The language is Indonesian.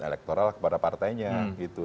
electoral kepada partainya gitu